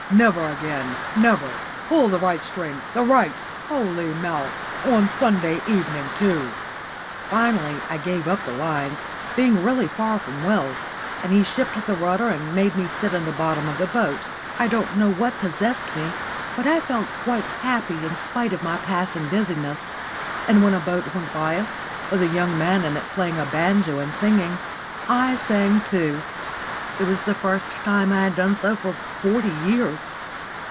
never again never. Pull the right string the right. Holy mouse! On Sunday evening too!" Finally I gave up the lines, being really far from well, and he unshipped the rudder and made me sit in the bottom of the boat. I don't know what possessed me, but I felt quite happy in spite of my passing dizziness, and when a boat went by us, with a young man in it playing on a banjo and singing, I sang too. It was the first time I had done so for forty years.